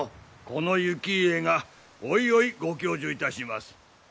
この行家がおいおいご教授いたします。